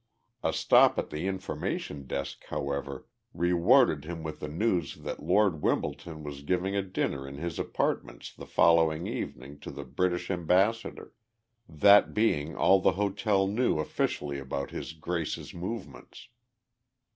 A stop at the information desk, however, rewarded him with the news that Lord Wimbledon was giving a dinner in his apartments the following evening to the British ambassador that being all the hotel knew officially about his Grace's movements.